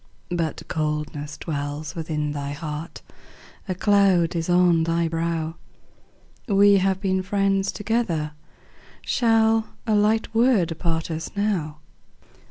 But coldness dwells within thy heart, A cloud is on thy brow; We have been friends together, Shall a light word part us now?